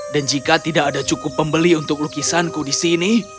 dan jika tidak ada cukup pembeli untuk lukisanku di sini